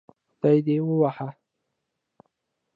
خدای دې ووهه